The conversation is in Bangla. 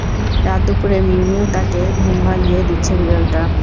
রাতদুপুরে মিউ মিউ ডাকে ঘুম ভাঙিয়ে দিচ্ছে বিড়ালটা।